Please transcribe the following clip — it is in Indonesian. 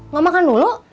mau makan dulu